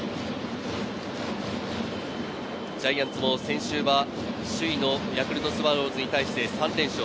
ジャイアンツも先週は首位のヤクルトスワローズに対して３連勝。